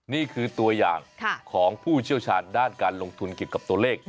นี่คือตัวอย่างของผู้เชี่ยวชาญด้านการลงทุนเกี่ยวกับตัวเลข